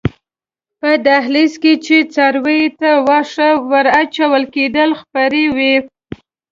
په دهلېز کې چې څارویو ته واښه ور اچول کېدل خپرې وې.